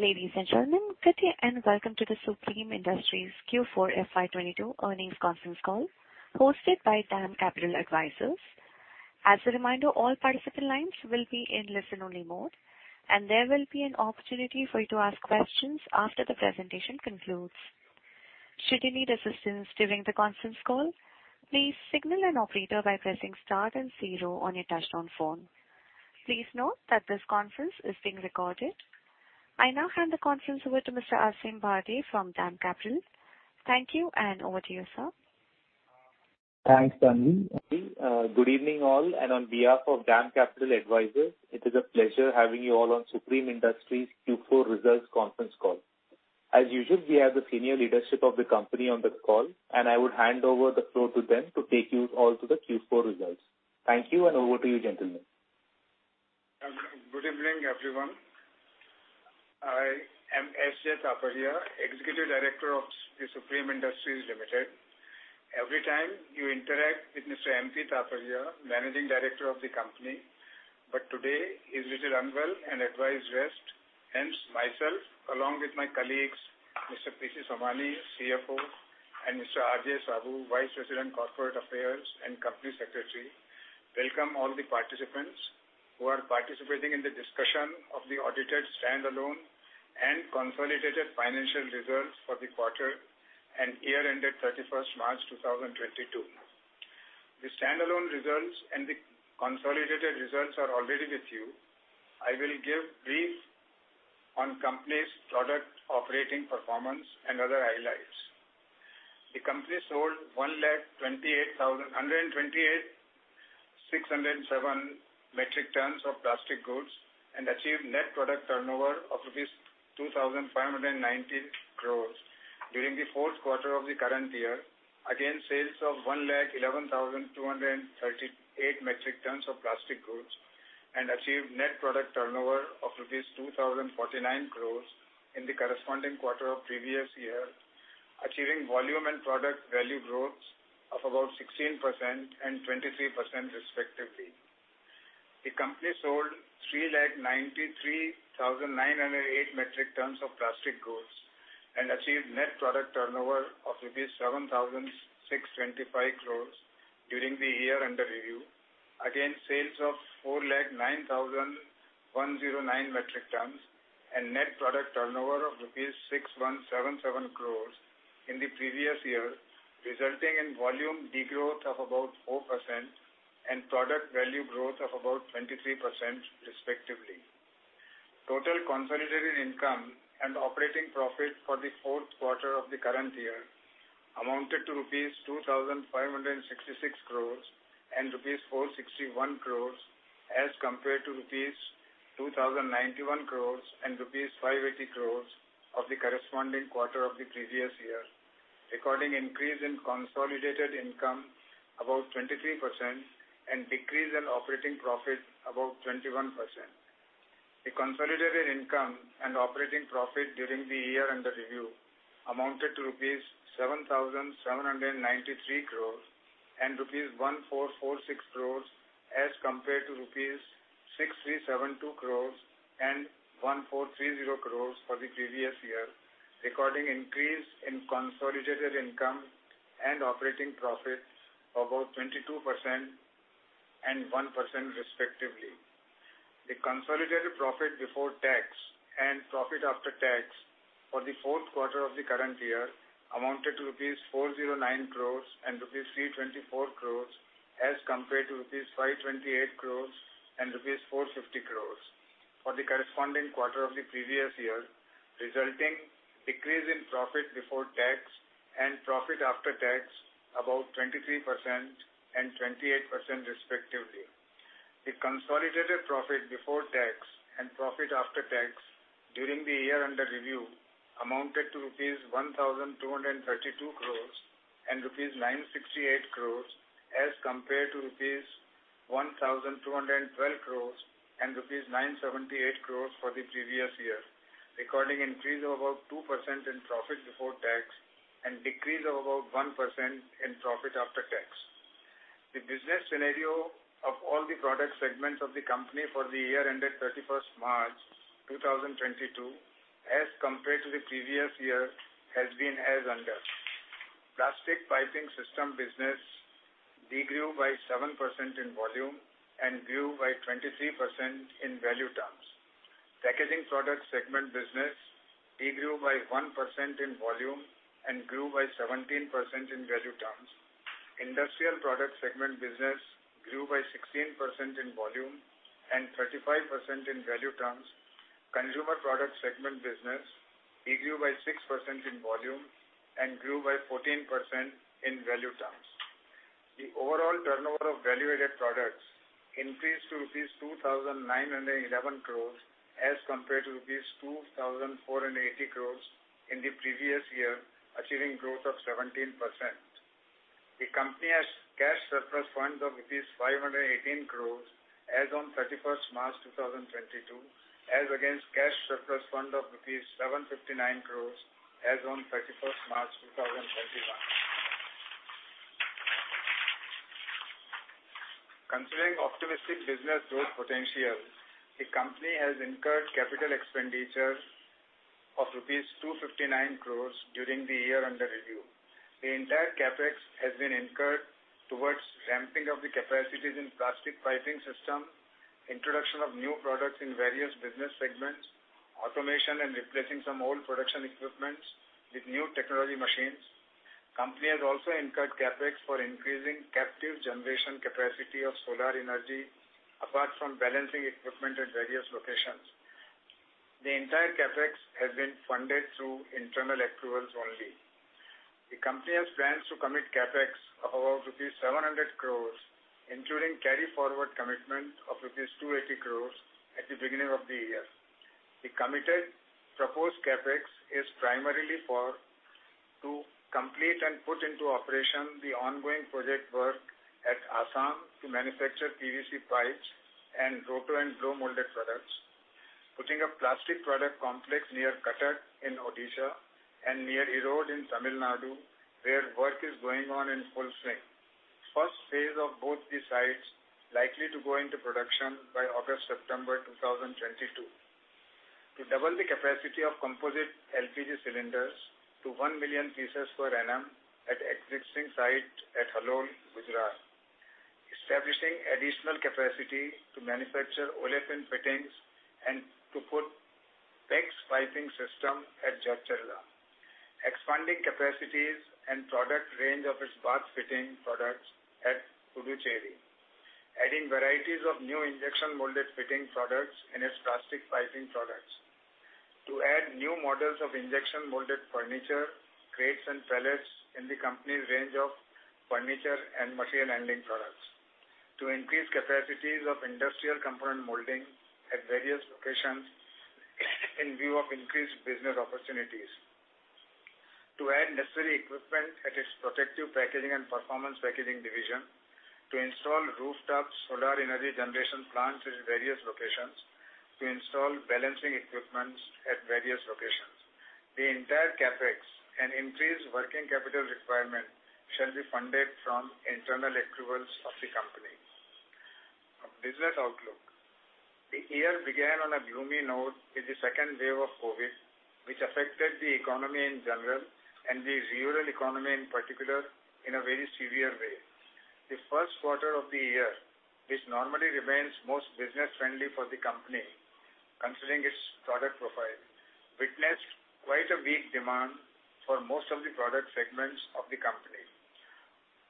Ladies and gentlemen, good day and welcome to the Supreme Industries Q4 FY22 earnings conference call hosted by DAM Capital Advisors. As a reminder, all participant lines will be in listen-only mode, and there will be an opportunity for you to ask questions after the presentation concludes. Should you need assistance during the conference call, please signal an operator by pressing star then zero on your touchtone phone. Please note that this conference is being recorded. I now hand the conference over to Mr. Aasim Bharde from DAM Capital. Thank you, and over to you, sir. Thanks, Tanvi. Good evening, all, and on behalf of DAM Capital Advisors, it is a pleasure having you all on Supreme Industries Q4 results conference call. As usual, we have the senior leadership of the company on this call, and I would hand over the floor to them to take you all to the Q4 results. Thank you, and over to you, gentlemen. Good evening, everyone. I am S.J. Taparia, Executive Director of The Supreme Industries Limited. Every time you interact with Mr. M.P. Taparia, Managing Director of the company, but today he's a little unwell and advised rest, hence myself along with my colleagues, Mr. P.C. Somani, CFO, and Mr. R.J. Saboo, Vice President Corporate Affairs and Company Secretary, welcome all the participants who are participating in the discussion of the audited standalone and consolidated financial results for the quarter and year ended 31st March 2022. The standalone results and the consolidated results are already with you. I will give brief on company's product operating performance and other highlights. The company sold 128,607 metric tons of plastic goods and achieved net product turnover of INR 2,590 crores during the fourth quarter of the current year against sales of 111,238 metric tons of plastic goods and achieved net product turnover of rupees 2,049 crores in the corresponding quarter of previous year, achieving volume and product value growth of about 16% and 23% respectively. The company sold 393,908 metric tons of plastic goods and achieved net product turnover of INR 7,625 crore during the year under review against sales of 409,109 metric tons and net product turnover of rupees 6,177 crore in the previous year, resulting in volume degrowth of about 4% and product value growth of about 23% respectively. Total consolidated income and operating profit for the fourth quarter of the current year amounted to rupees 2,566 crore and rupees 461 crore as compared to rupees 2,091 crore and rupees 580 crore of the corresponding quarter of the previous year, recording increase in consolidated income about 23% and decrease in operating profit about 21%. The consolidated income and operating profit during the year under review amounted to rupees 7,793 crores and rupees 1,446 crores as compared to rupees 6,372 crores and 1,430 crores for the previous year, recording increase in consolidated income and operating profits about 22% and 1% respectively. The consolidated profit before tax and profit after tax for the fourth quarter of the current year amounted to rupees 409 crores and rupees 324 crores as compared to rupees 528 crores and rupees 450 crores for the corresponding quarter of the previous year, resulting decrease in profit before tax and profit after tax about 23% and 28% respectively. The consolidated profit before tax and profit after tax during the year under review amounted to rupees 1,232 crores and rupees 968 crores as compared to rupees 1,212 crores and rupees 978 crores for the previous year, recording increase of about 2% in profit before tax and decrease of about 1% in profit after tax. The business scenario of all the product segments of the company for the year ended 31 March 2022 as compared to the previous year has been as under. Plastic Piping System business degrew by 7% in volume and grew by 23% in value terms. Packaging Products segment business degrew by 1% in volume and grew by 17% in value terms. Industrial Products segment business grew by 16% in volume and 35% in value terms. Consumer Products segment business degrew by 6% in volume and grew by 14% in value terms. The overall turnover of value-added products increased to rupees 2,911 crores as compared to rupees 2,480 crores in the previous year, achieving growth of 17%. The company has cash surplus funds of rupees 518 crores as on 31st March 2022 as against cash surplus fund of rupees 759 crores as on 31st March 2021. Considering optimistic business growth potential, the company has incurred CapEx of rupees 259 crores during the year under review. The entire CapEx has been incurred towards ramping up the capacities in Plastic Piping System, introduction of new products in various business segments, automation and replacing some old production equipment with new technology machines. The company has also incurred CapEx for increasing captive generation capacity of solar energy, apart from balancing equipment at various locations. The entire CapEx has been funded through internal accruals only. The company has plans to commit CapEx of about rupees 700 crores, including carry forward commitment of rupees 280 crores at the beginning of the year. The committed proposed CapEx is primarily for to complete and put into operation the ongoing project work at Assam to manufacture PVC pipes and roto and blow molded products. Putting a plastic product complex near Cuttack in Odisha and near Erode in Tamil Nadu, where work is going on in full swing. First phase of both the sites likely to go into production by August, September 2022. To double the capacity of composite LPG cylinders to 1 million pieces per annum at existing site at Halol, Gujarat. Establishing additional capacity to manufacture polyolefin fittings and to put PEX piping system at Jharsuguda. Expanding capacities and product range of its bath fitting products at Puducherry. Adding varieties of new injection molded fitting products in its plastic piping products. To add new models of injection molded furniture, crates, and pallets in the company's range of furniture and material handling products. To increase capacities of industrial component molding at various locations in view of increased business opportunities. To add necessary equipment at its protective packaging and performance packaging division. To install rooftop solar energy generation plants in various locations. To install balancing equipment at various locations. The entire CapEx and increased working capital requirement shall be funded from internal accruals of the company. Business outlook. The year began on a gloomy note with the second wave of COVID, which affected the economy in general and the rural economy in particular in a very severe way. The first quarter of the year, which normally remains most business-friendly for the company, considering its product profile, witnessed quite a weak demand for most of the product segments of the company.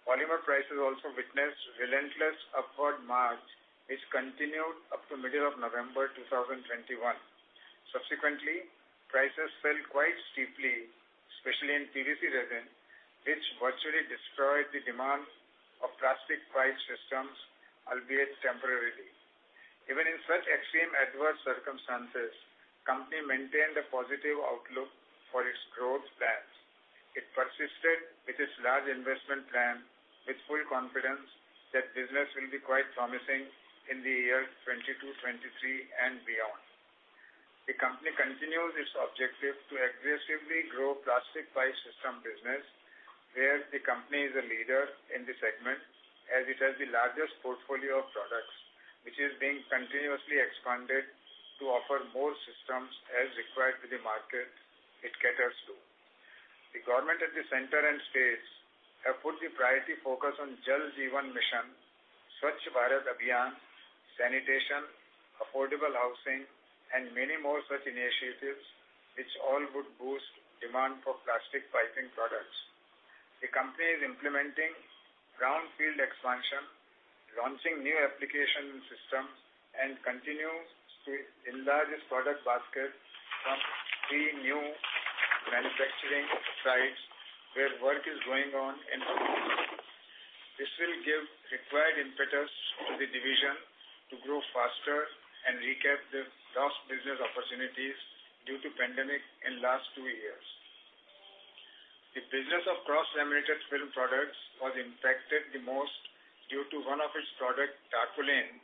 Polymer prices also witnessed relentless upward march, which continued up to middle of November 2021. Subsequently, prices fell quite steeply, especially in PVC resin, which virtually destroyed the demand of plastic pipe systems, albeit temporarily. Even in such extreme adverse circumstances, company maintained a positive outlook for its growth plans. It persisted with its large investment plan with full confidence that business will be quite promising in the year 2022, 2023 and beyond. The company continues its objective to aggressively grow plastic pipe system business, where the company is a leader in the segment as it has the largest portfolio of products, which is being continuously expanded to offer more systems as required to the market it caters to. The government at the center and states have put the priority focus on Jal Jeevan Mission, Swachh Bharat Abhiyan, sanitation, affordable housing and many more such initiatives which all would boost demand for plastic piping products. The company is implementing ground field expansion, launching new application systems and continues to enlarge its product basket from three new manufacturing sites where work is going on in full swing. This will give required impetus to the division to grow faster and recapture the lost business opportunities due to pandemic in last two years. The business of cross-laminated film products was impacted the most due to one of its product, tarpaulin,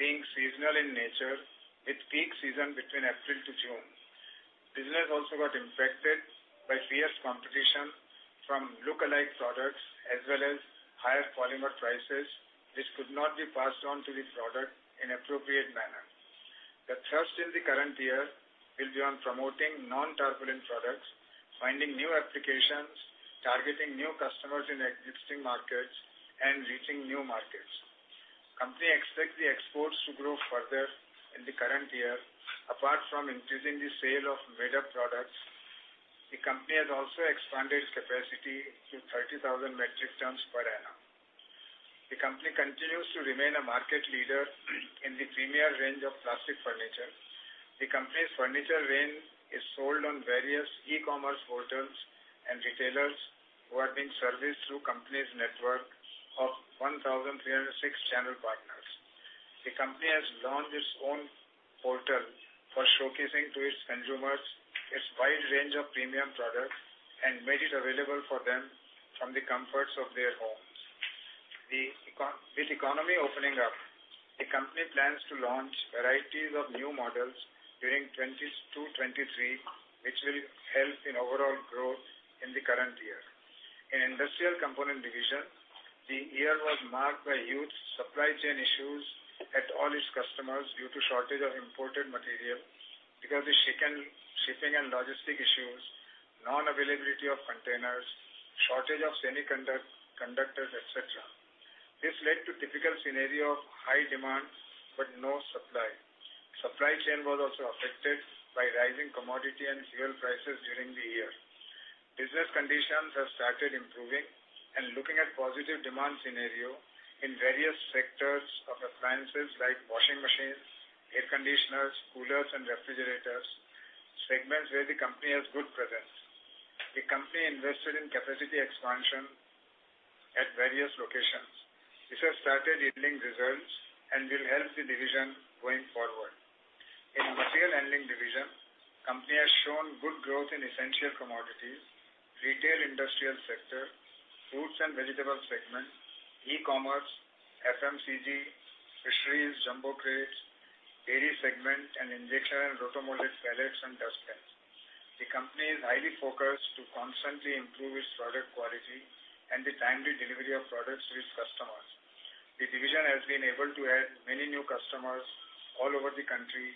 being seasonal in nature with peak season between April to June. Business also got impacted by fierce competition from lookalike products as well as higher polymer prices, which could not be passed on to the product in appropriate manner. The thrust in the current year will be on promoting non-tarpaulin products, finding new applications, targeting new customers in existing markets and reaching new markets. Company expects the exports to grow further in the current year. Apart from increasing the sale of made-up products, the company has also expanded its capacity to 30,000 metric tons per annum. The company continues to remain a market leader in the premier range of plastic furniture. The company's furniture range is sold on various e-commerce portals and retailers who are being serviced through company's network of 1,306 channel partners. The company has launched its own portal for showcasing to its consumers its wide range of premium products and made it available for them from the comforts of their homes. With economy opening up, the company plans to launch varieties of new models during 2022, 2023, which will help in overall growth in the current year. In industrial component division, the year was marked by huge supply chain issues at all its customers due to shortage of imported material because of shipping and logistic issues, non-availability of containers, shortage of semiconductors, etc. This led to difficult scenario of high demand but no supply. Supply chain was also affected by rising commodity and fuel prices during the year. Business conditions have started improving and looking at positive demand scenario in various sectors of appliances like washing machines, air conditioners, coolers and refrigerators, segments where the company has good presence. The company invested in capacity expansion at various locations. This has started yielding results and will help the division going forward. In material handling division, company has shown good growth in essential commodities, retail industrial sector, fruits and vegetable segment, e-commerce, FMCG, fisheries, jumbo crates, AD segment, and injection and rotomolded pallets and dustbins. The company is highly focused to constantly improve its product quality and the timely delivery of products to its customers. The division has been able to add many new customers all over the country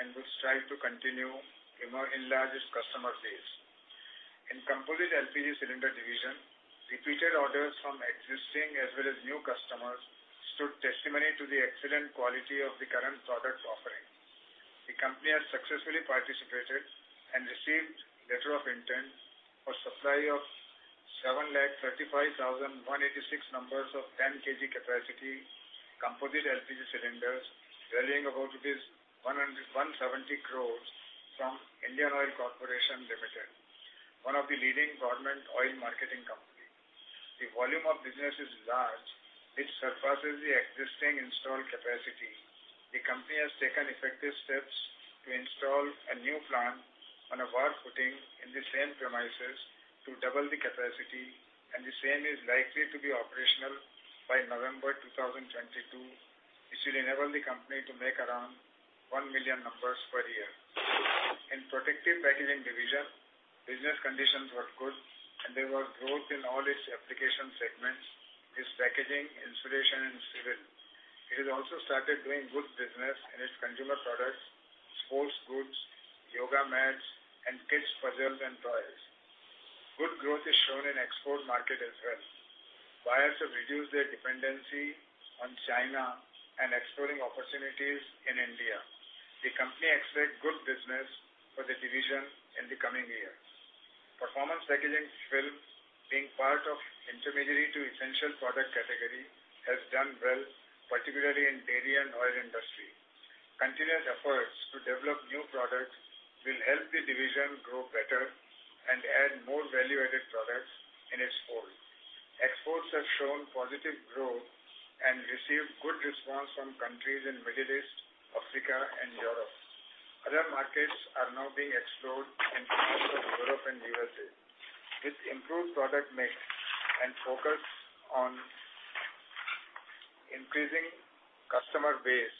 and will strive to continue enlarge its customer base. In composite LPG cylinder division, repeated orders from existing as well as new customers stood testimony to the excellent quality of the current product offering. The company has successfully participated and received letter of intent for supply of 735,186 numbers of 10 kg capacity composite LPG cylinders valuing about 170 crore from Indian Oil Corporation Limited, one of the leading government oil marketing company. The volume of business is large, which surpasses the existing installed capacity. The company has taken effective steps to install a new plant on a war footing in the same premises to double the capacity, and the same is likely to be operational by November 2022, which will enable the company to make around 1 million numbers per year. In protective packaging division, business conditions were good, and there was growth in all its application segments, its packaging, insulation and civil. It has also started doing good business in its consumer products, sports goods, yoga mats and kids puzzles and toys. Good growth is shown in export market as well. Buyers have reduced their dependency on China and exploring opportunities in India. The company expects good business for the division in the coming years. Performance packaging film, being part of intermediary to essential product category, has done well, particularly in dairy and oil industry. Continued efforts to develop new products will help the division grow better and add more value-added products in its fold. Exports have shown positive growth and received good response from countries in Middle East, Africa and Europe. Other markets are now being explored in parts of Europe and USA. With improved product mix and focus on increasing customer base,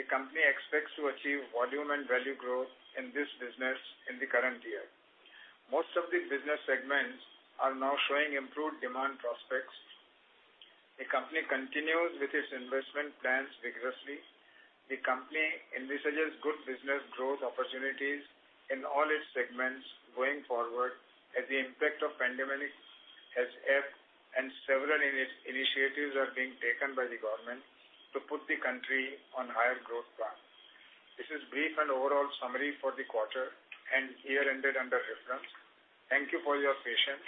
the company expects to achieve volume and value growth in this business in the current year. Most of the business segments are now showing improved demand prospects. The company continues with its investment plans vigorously. The company envisages good business growth opportunities in all its segments going forward as the impact of pandemic has ebbed and several initiatives are being taken by the government to put the country on higher growth path. This is brief and overall summary for the quarter and year ended under reference. Thank you for your patience.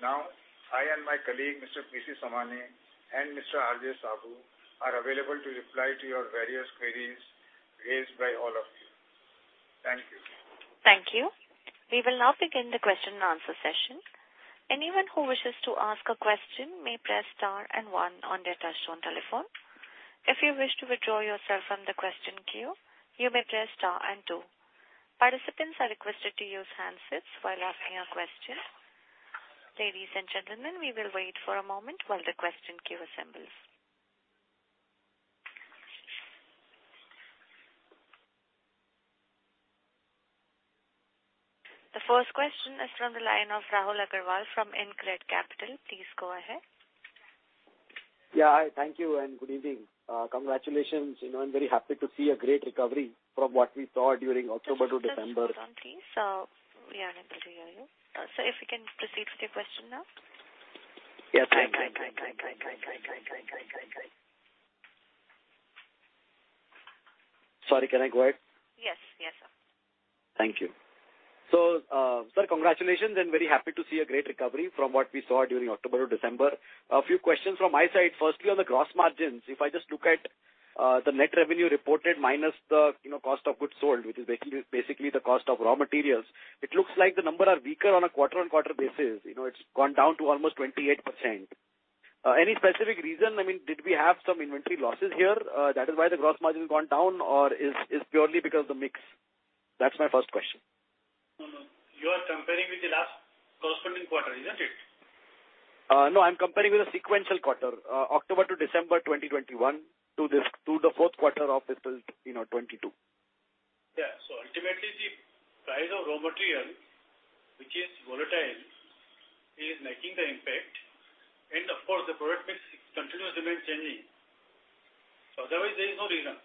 Now, I and my colleague, Mr. P.C. Somani and Mr. R.J. Saboo, are available to reply to your various queries raised by all of you. Thank you. Thank you. We will now begin the question-and-answer session. Anyone who wishes to ask a question may press star and 1 on their touch-tone telephone. If you wish to withdraw yourself from the question queue, you may press star and 2. Participants are requested to use handsets while asking a question. Ladies and gentlemen, we will wait for a moment while the question queue assembles. The first question is from the line of Rahul Agarwal from InCred Capital. Please go ahead. Yeah. Thank you and good evening. Congratulations. You know, I'm very happy to see a great recovery from what we saw during October to December. Just one second, hold on, please. We are unable to hear you. Sir, if you can proceed with your question now. Yeah. Sorry, can I go ahead? Yes. Yes, sir. Thank you. Sir, congratulations and very happy to see a great recovery from what we saw during October to December. A few questions from my side. Firstly, on the gross margins, if I just look at the net revenue reported minus the, you know, cost of goods sold, which is basically the cost of raw materials, it looks like the number are weaker on a quarter-on-quarter basis. You know, it's gone down to almost 28%. Any specific reason? I mean, did we have some inventory losses here, that is why the gross margin has gone down or is purely because the mix? That's my first question. You are comparing with the last corresponding quarter, isn't it? No, I'm comparing with the sequential quarter, October to December 2021 to this, to the fourth quarter of April, you know, 2022. Yeah. Ultimately the price of raw material, which is volatile, is making the impact. Of course, the product mix continuously remains changing. Otherwise there is no reason.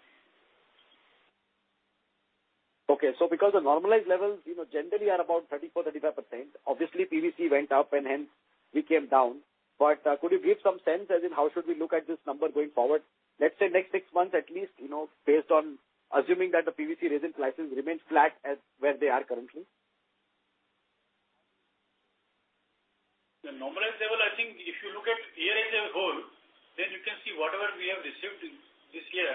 Okay, because the normalized levels, you know, generally are about 34-35%. Obviously PVC went up and hence we came down. Could you give some sense as in how should we look at this number going forward? Let's say next six months at least, you know, based on assuming that the PVC resin prices remains flat as where they are currently. The normalized level, I think if you look at the year as a whole, then you can see whatever we have received this year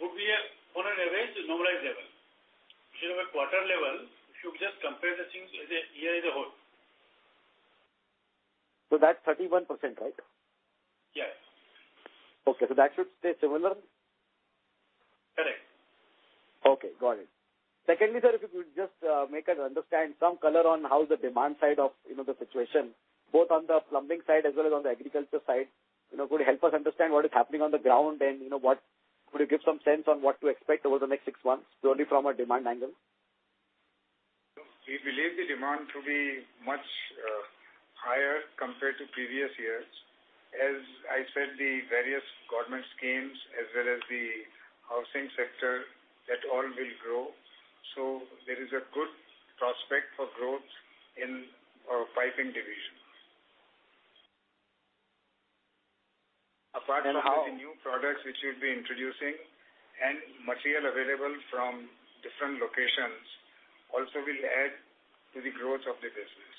would be on an average the normalized level. Instead of a quarter level, you should just compare the things as the year as a whole. That's 31%, right? Yes. Okay. That should stay similar? Correct. Okay, got it. Secondly, sir, if you could just make us understand some color on how the demand side of, you know, the situation, both on the plumbing side as well as on the agriculture side? You know, could help us understand what is happening on the ground. Could you give some sense on what to expect over the next six months, purely from a demand angle? We believe the demand to be much higher compared to previous years. As I said, the various government schemes as well as the housing sector, that all will grow. There is a good prospect for growth in our piping division. And how- Apart from the new products which we'll be introducing and material available from different locations also will add to the growth of the business.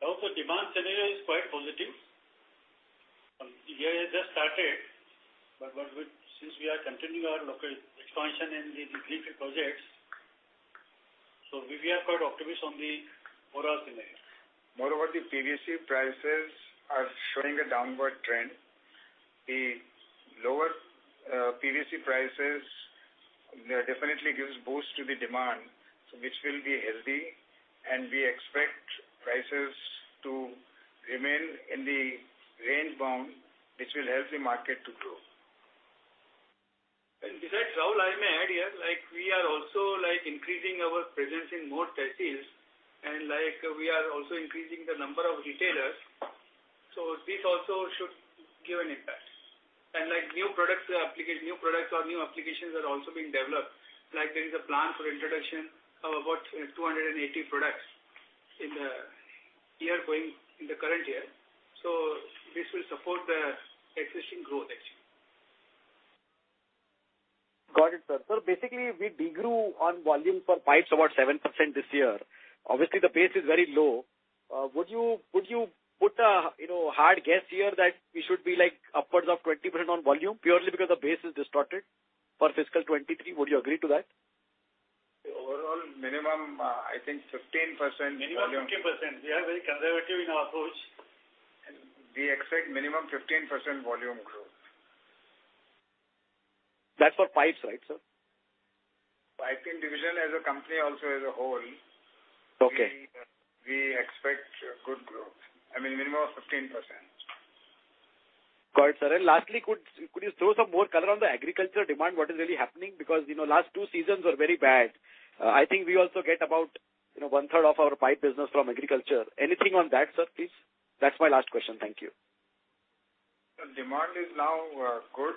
Also demand scenario is quite positive. The year has just started, but since we are continuing our local expansion in the greenfield projects, so we have got optimism the overall scenario. Moreover, the PVC prices are showing a downward trend. The lower PVC prices definitely gives boost to the demand, so which will be healthy, and we expect prices to remain in the range bound, which will help the market to grow. With that, Rahul, I may add here, like, we are also, like, increasing our presence in more cities, and, like, we are also increasing the number of retailers, so this also should give an impact. Like, new products or new applications are also being developed. Like, there is a plan for introduction of about 280 products in the year going, in the current year. This will support the existing growth actually. Got it, sir. Basically we de-grew on volume for pipes about 7% this year. Obviously the base is very low. Would you put a, you know, hard guess here that we should be like upwards of 20% on volume purely because the base is distorted for fiscal 2023? Would you agree to that? Overall minimum, I think 15% volume. Minimum 15%. We are very conservative in our approach. We expect minimum 15% volume growth. That's for pipes, right, sir? Piping division as a company also as a whole. Okay. We expect good growth. I mean, minimum of 15%. Got it, sir. Lastly, could you throw some more color on the agriculture demand, what is really happening? Because, you know, last two seasons were very bad. I think we also get about, you know, 1/3 of our pipe business from agriculture. Anything on that, sir, please? That's my last question. Thank you. The demand is now good,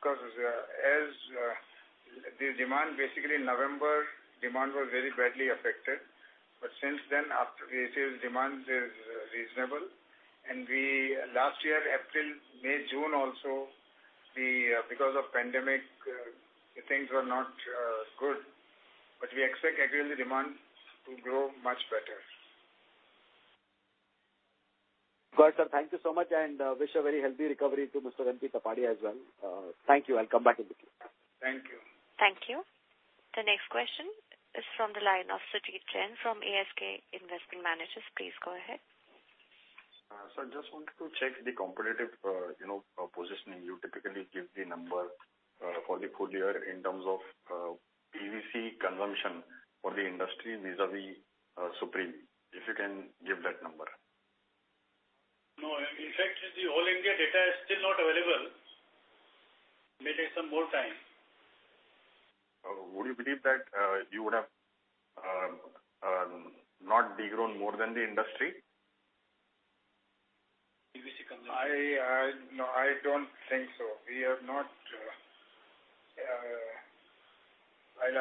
because the demand basically November demand was very badly affected. Since then up to now demand is reasonable. We last year, April, May, June also, because of pandemic, things were not good. We expect agricultural demands to grow much better. Got it, sir. Thank you so much, and wish a very healthy recovery to Mr. M.P. Taparia as well. Thank you. I'll come back in the queue. Thank you. Thank you. The next question is from the line of Sumit Jain from ASK Investment Managers. Please go ahead. Sir, just wanted to check the competitive positioning. You typically give the number for the full year in terms of PVC consumption for the industry vis-à-vis Supreme. If you can give that number. No. In fact, the all-India data is still not available. May take some more time. Would you believe that you would have not de-grown more than the industry? PVC consumption. No, I don't think so. We have not. We'll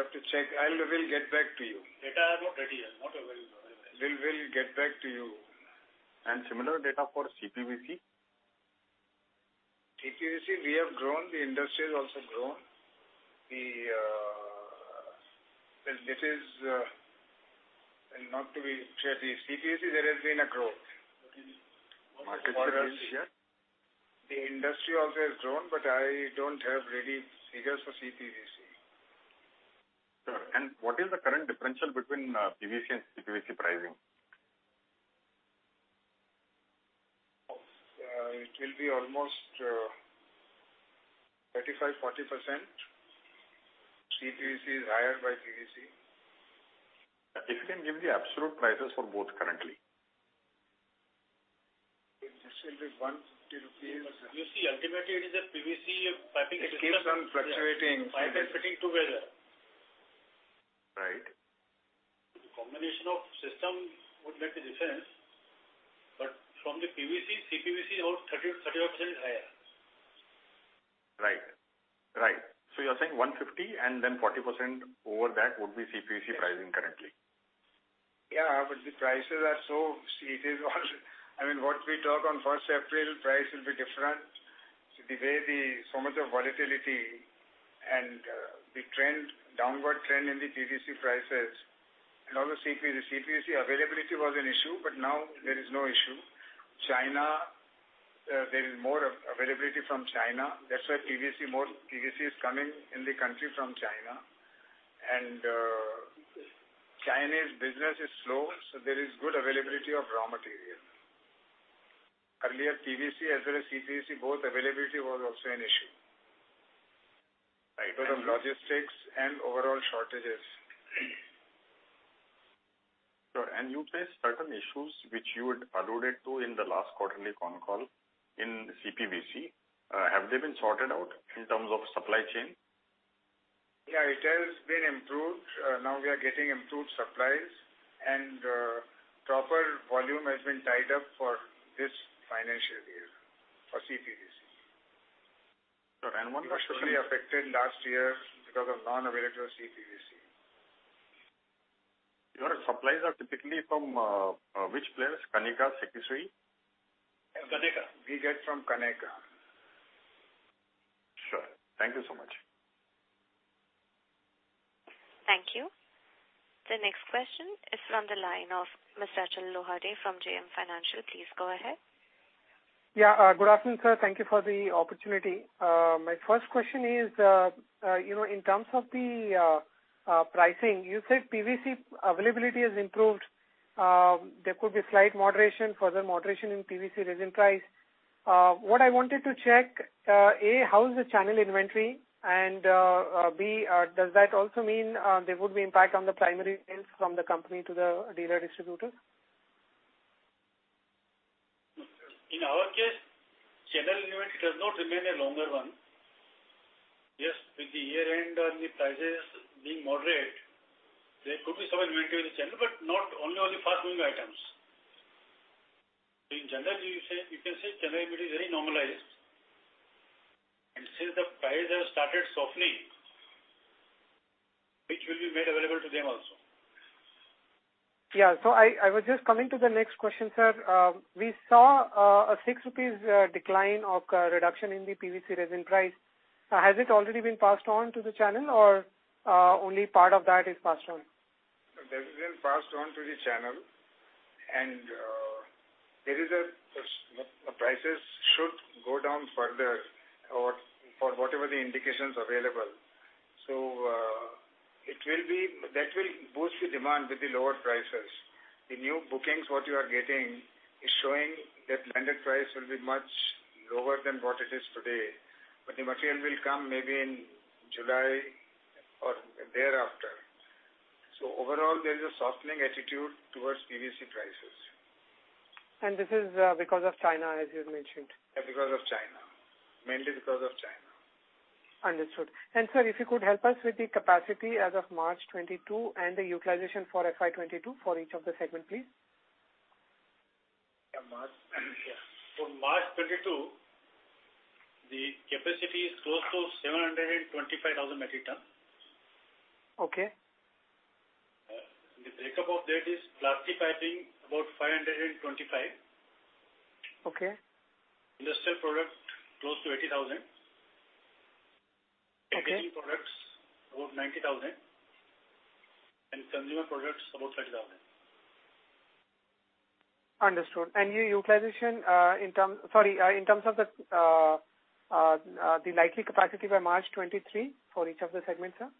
have to check. We'll get back to you. Data are not ready yet, not available as yet. We'll get back to you. Similar data for CPVC? CPVC we have grown, the industry has also grown. Well, this is, well, not to be sure, the CPVC there has been a growth. Okay. Market share this year? The industry also has grown, but I don't have ready figures for CPVC. Sure. What is the current differential between PVC and CPVC pricing? Will be almost 35%-40%. CPVC is higher by PVC. If you can give the absolute prices for both currently? It should be INR 150. You see, ultimately it is a PVC piping system. It keeps on fluctuating. Pipe and fitting together. Right. The combination of systems would make a difference, but from the PVC, CPVC about 30-35% higher. Right. You're saying 150, and then 40% over that would be CPVC pricing currently. Yeah, the prices are so. I mean, what we talk on first April, price will be different. There is so much volatility and the trend, downward trend in the PVC prices and also CPVC. The CPVC availability was an issue, but now there is no issue. There is more availability from China. That's why more PVC is coming in the country from China. Chinese business is slow, so there is good availability of raw material. Earlier, PVC as well as CPVC, both availability was also an issue. Right. Because of logistics and overall shortages. Sure. You face certain issues which you had alluded to in the last quarterly con call in CPVC. Have they been sorted out in terms of supply chain? Yeah, it has been improved. Now we are getting improved supplies, and proper volume has been tied up for this financial year for CPVC. Sure. One more question. It actually affected last year because of non-availability of CPVC. Your suppliers are typically from, which place? Kaneka, Sekisui? Kaneka. We get from Kaneka. Sure. Thank you so much. Thank you. The next question is from the line of Mr. Achal Lohade from JM Financial. Please go ahead. Yeah. Good afternoon, sir. Thank you for the opportunity. My first question is, you know, in terms of the pricing, you said PVC availability has improved. There could be slight moderation, further moderation in PVC resin price. What I wanted to check, A, how is the channel inventory, and B, does that also mean there would be impact on the primary sales from the company to the dealer distributor? In our case, channel inventory does not remain a longer one. Yes, with the year-end and the prices being moderate, there could be some inventory with the channel, but not only fast-moving items. In general, you say, you can say channel inventory is very normalized. Since the prices have started softening, which will be made available to them also. I was just coming to the next question, sir. We saw a 6 rupees reduction in the PVC resin price. Has it already been passed on to the channel or only part of that is passed on? The resin passed on to the channel, and prices should go down further, or for whatever indications are available. That will boost the demand with the lower prices. The new bookings, what you are getting, is showing that landed price will be much lower than what it is today, but the material will come maybe in July or thereafter. Overall, there is a softening attitude towards PVC prices. This is because of China, as you had mentioned. Because of China. Mainly because of China. Understood. Sir, if you could help us with the capacity as of March 2022 and the utilization for FY 2022 for each of the segment, please. For March 2022, the capacity is close to 725,000 metric tons. Okay. The breakup of that is Plastic Piping, about 525. Okay. Industrial Products, close to 80,000. Okay. Building Products, about 90 thousand. Consumer Products, about INR 30 thousand. Understood. Your utilization in terms of the likely capacity by March 2023 for each of the segments, sir?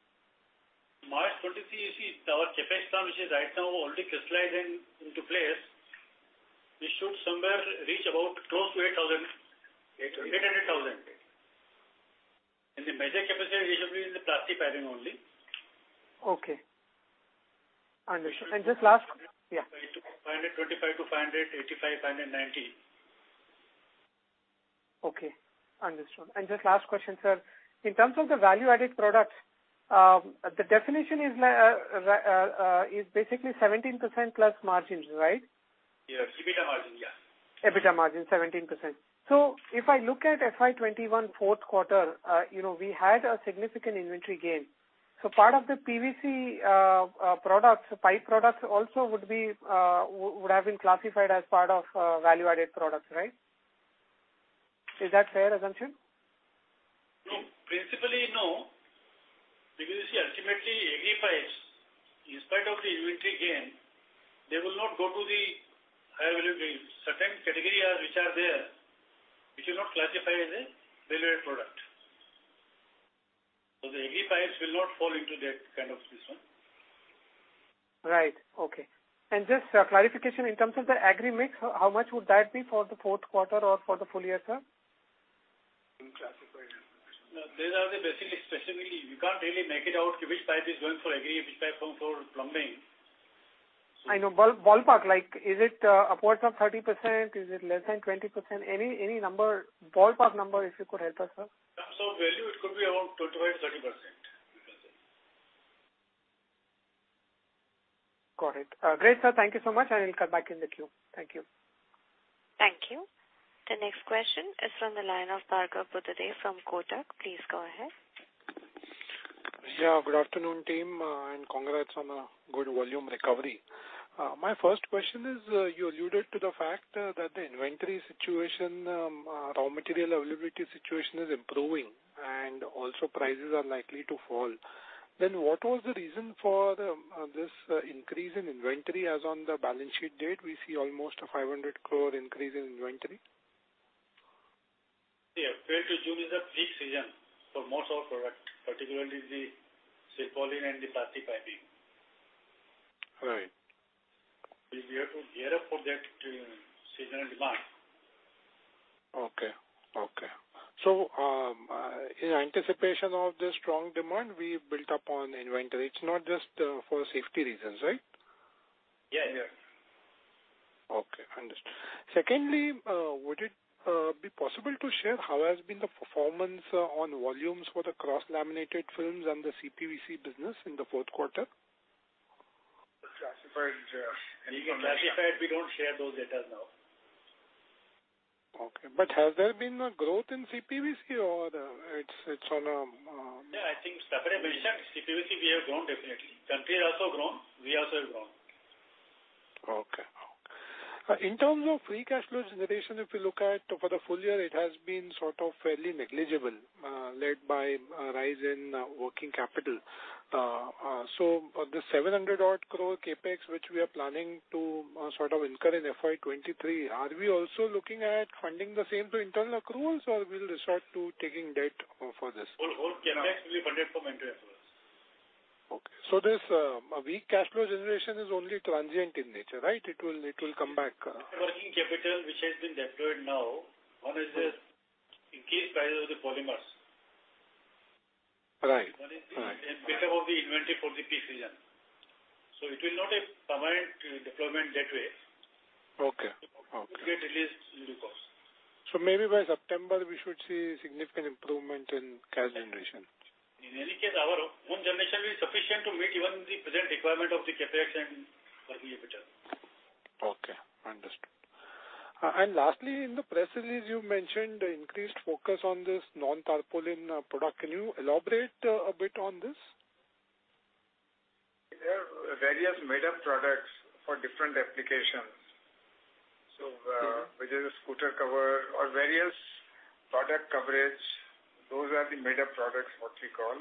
March 2023, you see our capacity which is right now only crystallizing into place. We should somewhere reach about close to 8,000. 800. 800,000. The major capacity usually is the plastic piping only. Okay. Understood. Just last- Five hundred- Yeah. Five hundred and twenty-five to five hundred and eighty-five, five hundred and ninety. Okay. Understood. Just last question, sir. In terms of the value-added products, the definition is basically 17% plus margins, right? Yes. EBITDA margin, yes. EBITDA margin 17%. If I look at FY21 fourth quarter, you know, we had a significant inventory gain. Part of the PVC products, pipe products also would have been classified as part of value-added products, right? Is that fair assumption? No. Principally, no. Because you see, ultimately AG pipes, in spite of the inventory gain, they will not go to the high availability. Certain category are, which are there, which are not classified as a value-added product. The AG pipes will not fall into that kind of system. Right. Okay. Just a clarification in terms of the agri mix, how much would that be for the fourth quarter or for the full year, sir? These are the basic, especially you can't really make it out which type is going for agri, which type going for plumbing. I know. Ballpark, like is it upwards of 30%? Is it less than 20%? Any number, ballpark number, if you could help us, sir. In terms of value, it could be around 28%-30%. Got it. Great, sir. Thank you so much. I will come back in the queue. Thank you. Thank you. The next question is from the line of Bhargav Buddhadev from Kotak. Please go ahead. Yeah, good afternoon, team, and congrats on a good volume recovery. My first question is, you alluded to the fact that the inventory situation, raw material availability situation is improving and also prices are likely to fall. What was the reason for this increase in inventory as on the balance sheet date we see almost 500 crore increase in inventory? Yeah. April to June is a peak season for most of our product, particularly the Silpaulin and the plastic piping. Right. We have to gear up for that seasonal demand. Okay. In anticipation of the strong demand, we built up on inventory. It's not just for safety reasons, right? Yeah, yeah. Okay. Understood. Secondly, would it be possible to share how has been the performance on volumes for the cross-laminated films and the CPVC business in the fourth quarter? We don't share those data now. Okay. Has there been a growth in CPVC or it's on? Yeah, I think Sakharer mentioned CPVC. We have grown definitely. Country has also grown. We also have grown. Okay. In terms of free cash flow generation, if you look at for the full year, it has been sort of fairly negligible, led by a rise in working capital. So the 700-odd crore CapEx, which we are planning to sort of incur in FY 2023, are we also looking at funding the same through internal accruals, or we'll resort to taking debt for this? Whole CapEx will be funded from internal accruals. This weak cash flow generation is only transient in nature, right? It will come back. Working capital which has been deployed now, one is the increased price of the polymers. Right. Right. One is the inventory for the peak season. It will not be a permanent deployment that way. Okay. Okay. It will get released in due course. Maybe by September we should see significant improvement in cash generation. In any case, our own generation will be sufficient to meet even the present requirement of the CapEx and working capital. Okay. Understood. And lastly, in the press release you mentioned increased focus on this non-tarpaulin product. Can you elaborate a bit on this? There are various made-up products for different applications. Whether a scooter cover or various product covers, those are the made-up products, what we call.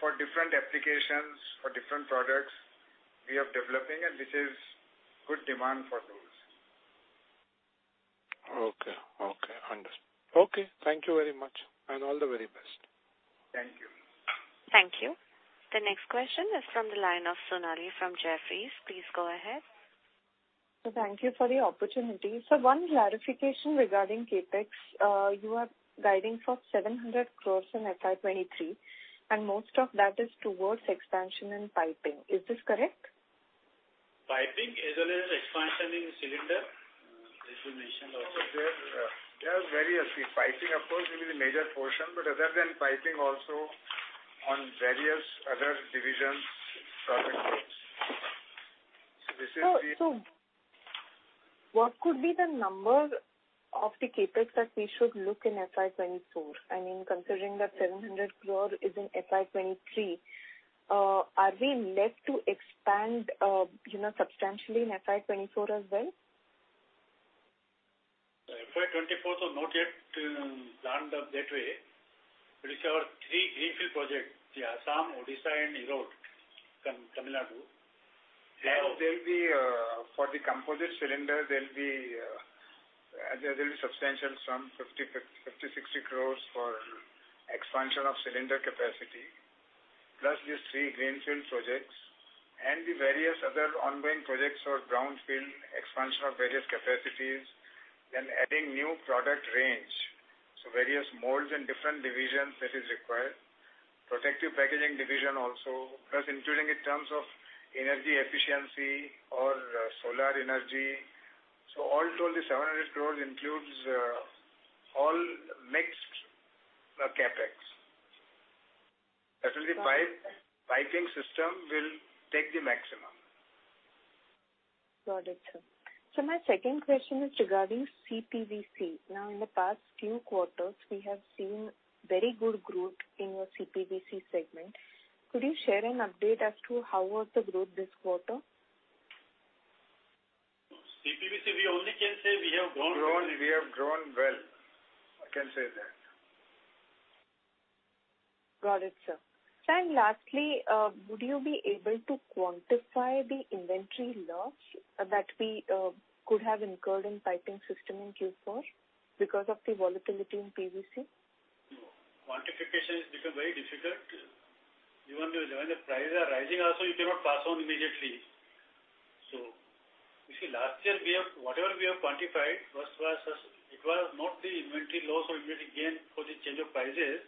For different applications, for different products we are developing, and there is good demand for those. Okay. Understood. Thank you very much and all the very best. Thank you. Thank you. The next question is from the line of Sonali from Jefferies. Please go ahead. Thank you for the opportunity. One clarification regarding CapEx. You are guiding for 700 crore in FY 2023, and most of that is towards expansion in piping. Is this correct? Piping as well as expansion in cylinder, as we mentioned also. There are various. The piping of course will be the major portion. Other than piping also on various other divisions, project works. This is the- What could be the number of the CapEx that we should look in FY 2024? I mean, considering that 700 crore is in FY 2023, are we likely to expand, you know, substantially in FY 2024 as well? For FY24, so not yet planned up that way. It is our three greenfield projects, the Assam, Odisha, and Erode, Tamil Nadu. There will be for the composite cylinder substantial sum of 50-60 crore for expansion of cylinder capacity, plus these 3 greenfield projects and the various other ongoing projects or brownfield expansion of various capacities, then adding new product range. Various molds in different divisions that is required. Protective packaging division also. Plus improving in terms of energy efficiency or solar energy. All told, the 700 crore includes all mixed CapEx. That will be piping. Piping system will take the maximum. Got it, sir. My second question is regarding CPVC. Now, in the past few quarters, we have seen very good growth in your CPVC segment. Could you share an update as to how was the growth this quarter? CPVC, we only can say we have grown. We have grown well. I can say that. Got it, sir. Lastly, would you be able to quantify the inventory loss that we could have incurred in piping system in Q4 because of the volatility in PVC? No. Quantification has become very difficult. Even when the prices are rising also you cannot pass on immediately. You see, last year whatever we have quantified first was just it was not the inventory loss or inventory gain for the change of prices,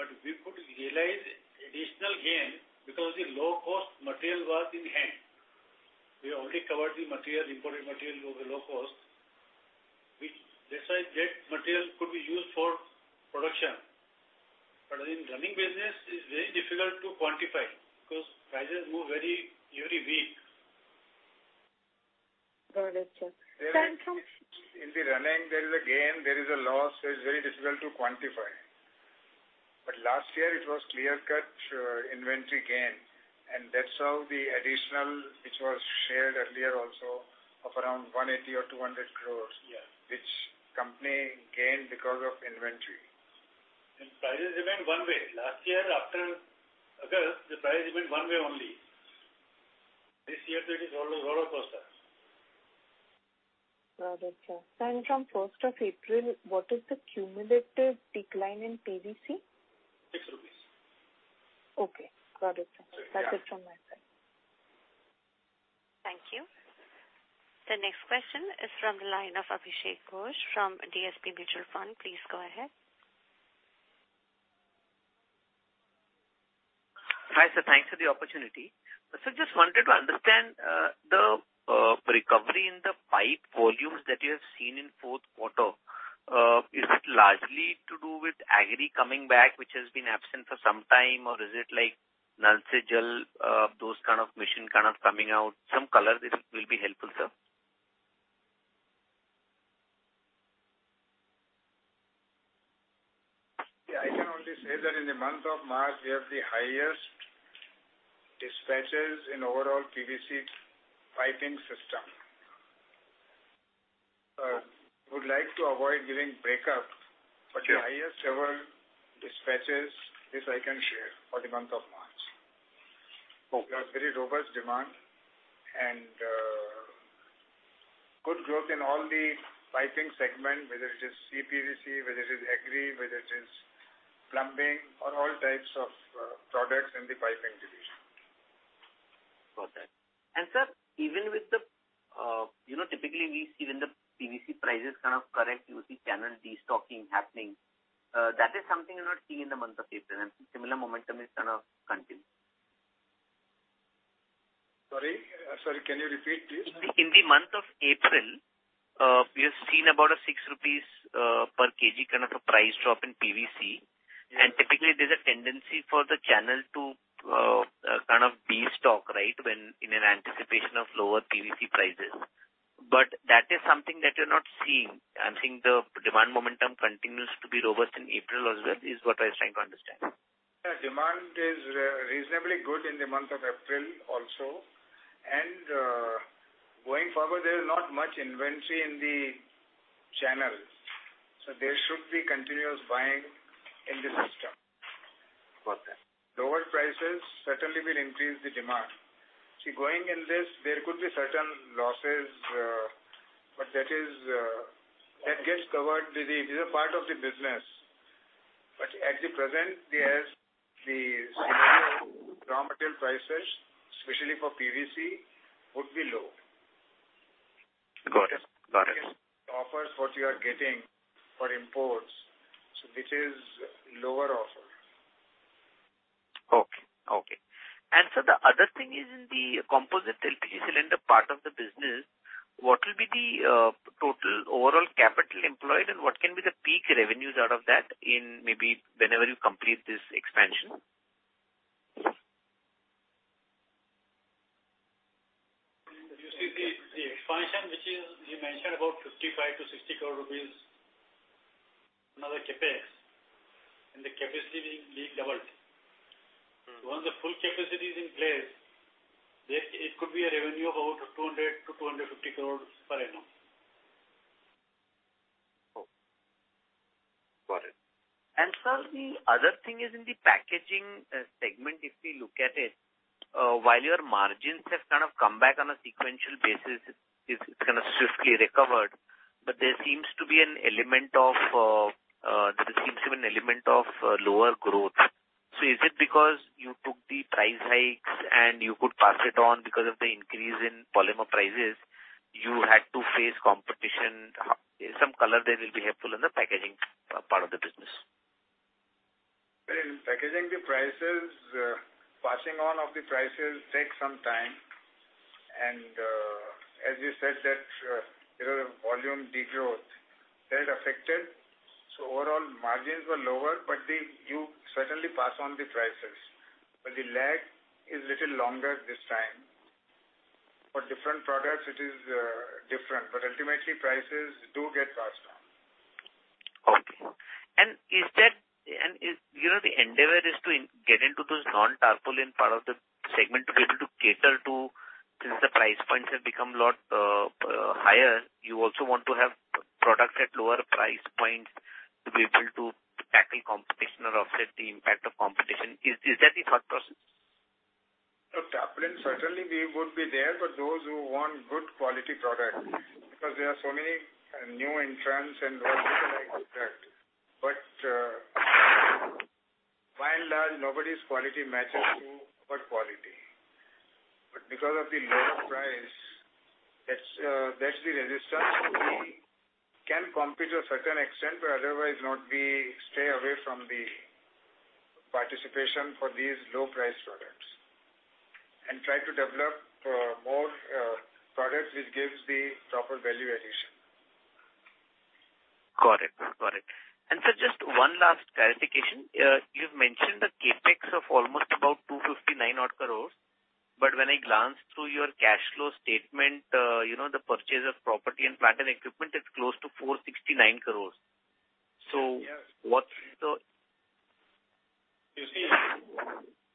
but we could realize additional gain because the low cost material was in hand. We already covered the material, imported material with low cost, which that's why that material could be used for production. But in running business it's very difficult to quantify because prices move every week. Got it, sir. In the running there is a gain, there is a loss. It's very difficult to quantify. Last year it was clear-cut, inventory gain. That's how the additional, which was shared earlier also of around 180 crore or 200 crore. Yeah. Which company gained because of inventory? Prices remain one way. Last year after August, the price remained one way only. This year it is all across, sir. Got it, sir. From first of April, what is the cumulative decline in PVC? 6 rupees. Okay. Got it, sir. Yeah. That's it from my side. Thank you. The next question is from the line of Abhishek Ghosh from DSP Mutual Fund. Please go ahead. Hi, sir. Thanks for the opportunity. Just wanted to understand the recovery in the pipe volumes that you have seen in fourth quarter, is it largely to do with agri coming back, which has been absent for some time, or is it like Nal Se Jal, those kind of mission kind of coming out? Some color. This will be helpful, sir. Yeah. I can only say that in the month of March we have the highest dispatches in overall PVC piping system. Would like to avoid giving breakup. Okay. The highest ever dispatches is I can share for the month of March. Okay. We have very robust demand and good growth in all the piping segment, whether it is CPVC, whether it is agri, whether it is plumbing or all types of products in the piping division. Got that. Sir, even with the typically we see when the PVC prices kind of correct, you see channel destocking happening. That is something you're not seeing in the month of April, and similar momentum is gonna continue. Sorry. Sorry, can you repeat, please? In the month of April, we have seen about a 6 rupees per kg kind of a price drop in PVC. Yeah. Typically there's a tendency for the channel to kind of destock, right, when in an anticipation of lower PVC prices. That is something that you're not seeing. I'm seeing the demand momentum continues to be robust in April as well, is what I was trying to understand. Yeah. Demand is reasonably good in the month of April also. Going forward, there's not much inventory in the channel, so there should be continuous buying in the system. Got that. Lower prices certainly will increase the demand. See, going in this there could be certain losses, but that is, that gets covered. This is a part of the business. At the present, yes, the raw material prices, especially for PVC, would be low. Got it. Offers what you are getting for imports. This is lower offer. The other thing is in the composite LPG cylinder part of the business, what will be the total overall capital employed and what can be the peak revenues out of that in maybe whenever you complete this expansion? You see the expansion which we mentioned about 55 crore-60 crore rupees another CapEx and the capacity will be doubled. Once the full capacity is in place, that it could be a revenue about 200-250 crores per annum. Oh, got it. Sir, the other thing is in the packaging segment, if we look at it, while your margins have kind of come back on a sequential basis, it's kinda swiftly recovered, but there seems to be an element of lower growth. Is it because you took the price hikes and you could pass it on because of the increase in polymer prices, you had to face competition? Some color there will be helpful in the packaging part of the business. Well, in packaging the prices, passing on of the prices takes some time. As you said that, you know, volume degrowth that affected. Overall margins were lower, but you certainly pass on the prices, but the lag is little longer this time. For different products it is, different, but ultimately prices do get passed on. Okay. Is that, you know, the endeavor is to get into those non-tarpaulin part of the segment to be able to cater to since the price points have become a lot higher, you also want to have products at lower price points to be able to tackle competition or offset the impact of competition. Is that the thought process? No, Tarpaulin, certainly we would be there for those who want good quality product. Because there are so many new entrants and like that. By and large, nobody's quality matches to our quality. Because of the lower price, that's the resistance. We can compete to a certain extent, but otherwise stay away from the participation for these low price products and try to develop more products which gives the proper value addition. Got it. Sir, just one last clarification. You've mentioned the CapEx of almost about 259-odd crore, but when I glanced through your cash flow statement, the purchase of property, plant and equipment, it's close to 469 crore. Yes. What's the You see,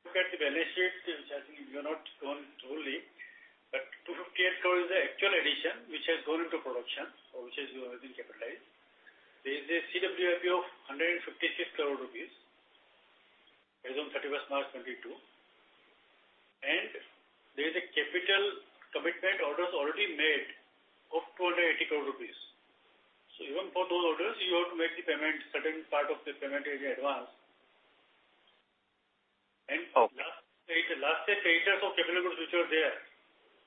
look at the balance sheet, which I think you have not gone through it, but 258 crore is the actual addition which has gone into production or which has been capitalized. There's a CWIP of 156 crore rupees as on thirty-first March 2022. There's a capital commitment orders already made of 280 crore rupees. Even for those orders you have to make the payment, certain part of the payment in advance. Oh. Last set of capital goods which were there,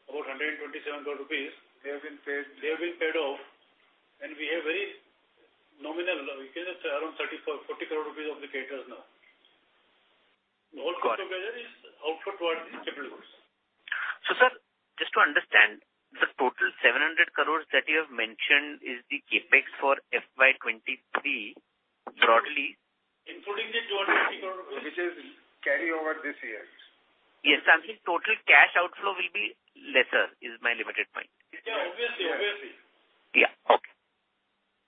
about 127 crore rupees, they have been paid off, and we have very nominal, because it's around 34-40 crore rupees of the creditors now. Got it. The whole CapEx measure is output towards these capital goods. Sir, just to understand, the total 700 crore that you have mentioned is the CapEx for FY 2023 broadly. Including the 280 crore rupees which is carry over this year. Yes. I'm saying total cash outflow will be lesser, is my limited point. Yeah.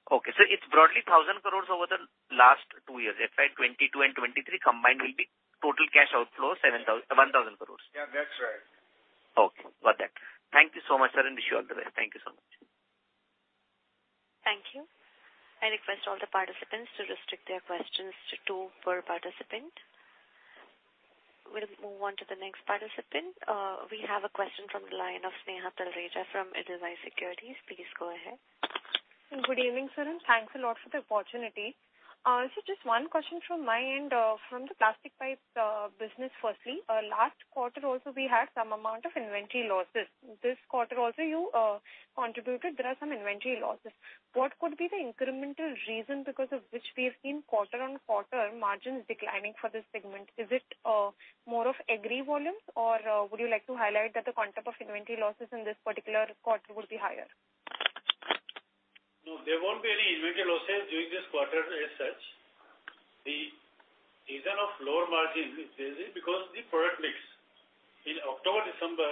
Obviously. It's broadly 1,000 crore over the last two years. FY 2022 and 2023 combined will be total cash outflow, 1,000 crore. Yeah, that's right. Okay. Got that. Thank you so much, sir, and wish you all the best. Thank you so much. Thank you. I request all the participants to restrict their questions to two per participant. We'll move on to the next participant. We have a question from the line of Sneha Talreja from Edelweiss Securities. Please go ahead. Good evening, sir, and thanks a lot for the opportunity. Just one question from my end, from the plastic pipe business firstly. Last quarter also we had some amount of inventory losses. This quarter also you contributed. There are some inventory losses. What could be the incremental reason because of which we have seen quarter-on-quarter margins declining for this segment? Is it more of agri volumes or would you like to highlight that the concept of inventory losses in this particular quarter would be higher? No, there won't be any inventory losses during this quarter as such. The reason of lower margin is there is because the product mix. In October, December,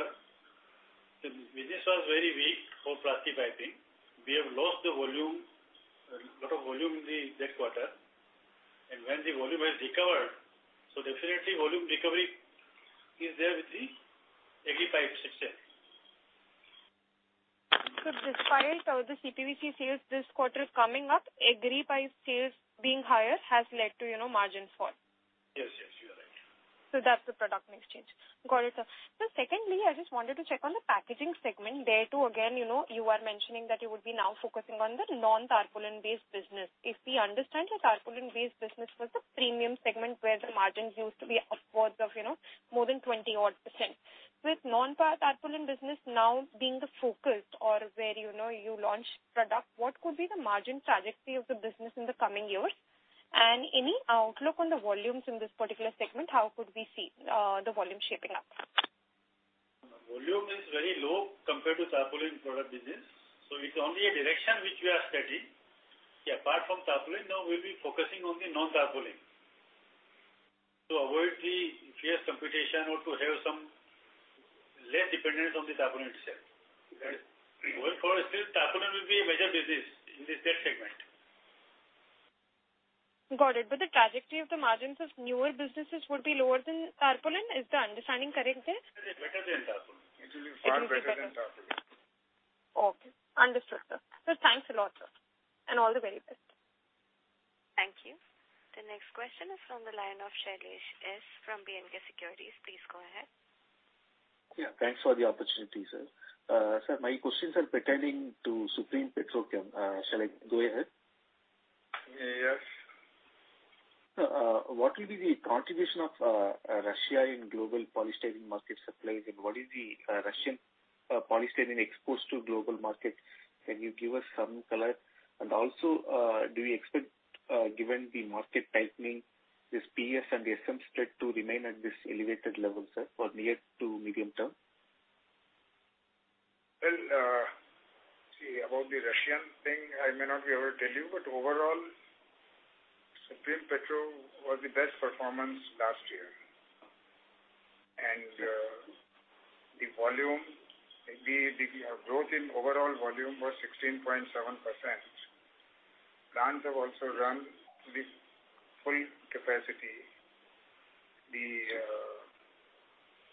the business was very weak for plastic piping. We have lost the volume, lot of volume in that quarter. When the volume has recovered, so definitely volume recovery is there with the agri pipe section. Despite all the CPVC sales this quarter coming up, agri pipe sales being higher has led to, you know, margin fall? Yes. Yes. You are right. That's the product mix change. Got it, sir. Secondly, I just wanted to check on the packaging segment. There too again, you know, you are mentioning that you would be now focusing on the non-tarpaulin based business. If we understand, the tarpaulin based business was the premium segment where the margins used to be upwards of, you know, more than 20 odd %. With non-tarpaulin business now being the focus or where, you know, you launch product, what could be the margin trajectory of the business in the coming years? And any outlook on the volumes in this particular segment, how could we see the volume shaping up? Volume is very low compared to tarpaulin product business, so it's only a direction which we are studying. Yeah, apart from tarpaulin, now we'll be focusing on the non-tarpaulin. To avoid the fierce competition or to have some less dependence on the tarpaulin itself. Because going forward still tarpaulin will be a major business in this, that segment. Got it. The trajectory of the margins of newer businesses would be lower than tarpaulin. Is the understanding correct there? Better than tarpaulin. It will be far better than tarpaulin. It will be better. Okay. Understood, sir. Thanks a lot, sir, and all the very best. Thank you. The next question is from the line of Shailesh S from BNK Securities. Please go ahead. Yeah, thanks for the opportunity, sir. Sir, my questions are pertaining to Supreme Petrochem. Shall I go ahead? Yes. Sir, what will be the contribution of Russia in global polystyrene market supplies, and what is the Russian polystyrene exposed to global markets? Can you give us some color? Also, do you expect, given the market tightening, this PS and the SM spread to remain at this elevated level, sir, for near to medium term? Well, see, about the Russian thing, I may not be able to tell you, but overall, Supreme Petrochem was the best performance last year. The volume growth in overall volume was 16.7%. Plants have also run with full capacity.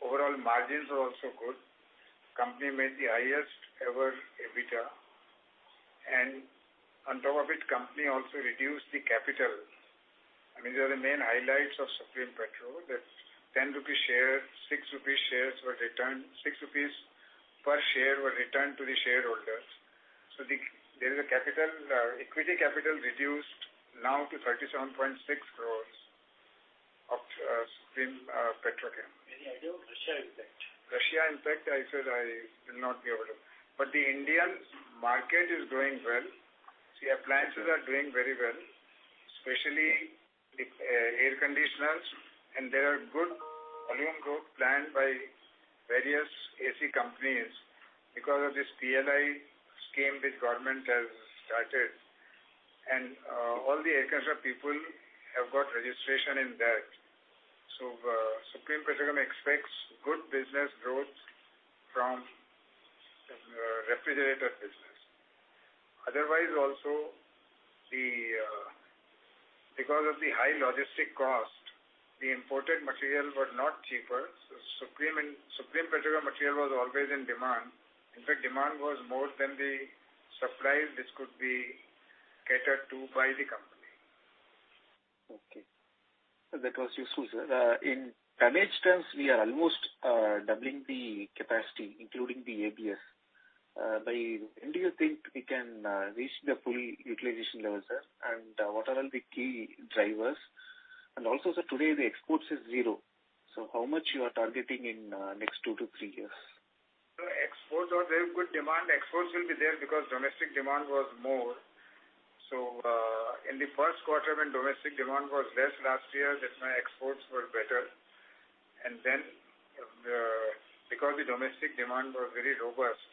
Overall margins are also good. Company made the highest ever EBITDA, and on top of it, company also reduced the capital. I mean, they are the main highlights of Supreme Petrochem. That 10 rupee share, 6 rupee shares were returned. 6 rupees per share were returned to the shareholders. The equity capital reduced now to 37.6 crores of Supreme Petrochem. Any idea of Russia impact? Russia impact, I said I will not be able to. The Indian market is doing well. See, appliances are doing very well, especially the air conditioners, and there are good volume growth planned by various AC companies because of this PLI scheme which government has started. All the air conditioner people have got registration in that. Supreme Petrochem expects good business growth from refrigerator business. Otherwise also, because of the high logistic cost, the imported materials were not cheaper. Supreme and Supreme Petrochem material was always in demand. In fact, demand was more than the supply which could be catered to by the company. Okay. That was useful, sir. In tonnage terms, we are almost doubling the capacity, including the ABS. By when do you think we can reach the full utilization level, sir, and what are all the key drivers? Also, sir, today the exports is zero. How much you are targeting in next 2-3 years? Exports are very good demand. Exports will be there because domestic demand was more. In the first quarter when domestic demand was less last year, that's why exports were better. Because the domestic demand was very robust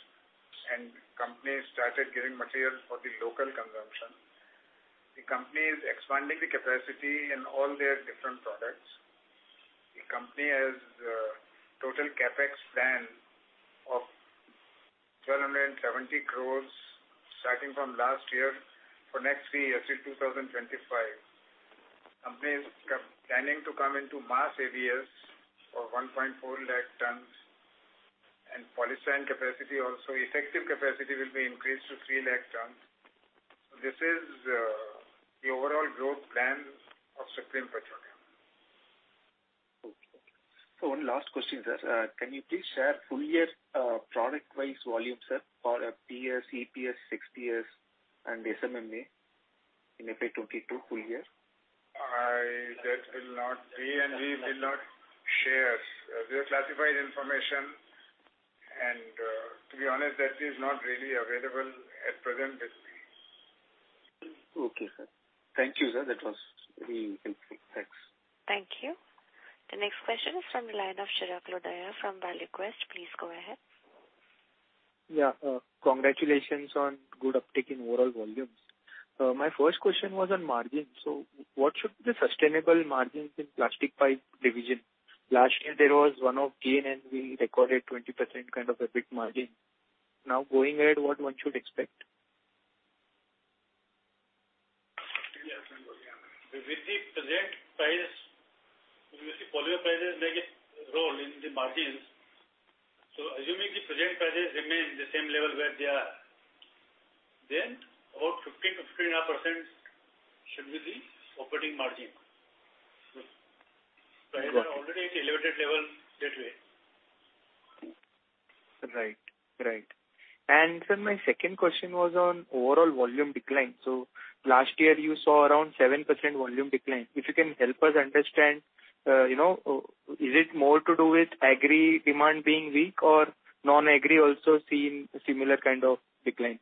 and companies started getting materials for the local consumption. The company is expanding the capacity in all their different products. The company has total CapEx plan of 1,270 crores starting from last year for next three years till 2025. Company is planning to come into mass ABS of 1.4 lakh tons, and polystyrene capacity also, effective capacity will be increased to 3 lakh tons. This is the overall growth plans of Supreme Petrochem. Okay. One last question, sir. Can you please share full year product-wise volumes, sir, for GPPS, EPS, XPS and SMMA in FY22 full year? That will not. We will not share. They are classified information, and to be honest, that is not really available at present with me. Okay, sir. Thank you, sir. That was very helpful. Thanks. Thank you. The next question is from the line of Chirag Lodaya from ValueQuest. Please go ahead. Yeah, congratulations on good uptake in overall volumes. My first question was on margins. What should be the sustainable margins in plastic pipe division? Last year there was one-off gain, and we recorded 20% kind of EBIT margin. Now, going ahead, what one should expect? Yeah. With the present prices, you see, polymer prices play a role in the margins. Assuming the present prices remain the same level where they are, then about 15%-15.5% should be the operating margin. Prices are already at elevated levels that way. Right. Sir, my second question was on overall volume decline. Last year you saw around 7% volume decline. If you can help us understand, is it more to do with Agri demand being weak or non-Agri also seeing similar kind of decline?